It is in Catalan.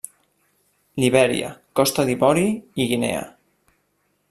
Libèria, Costa d'Ivori i Guinea.